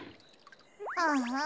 ああ。